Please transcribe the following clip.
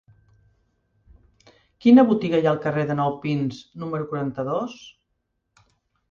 Quina botiga hi ha al carrer de Nou Pins número quaranta-dos?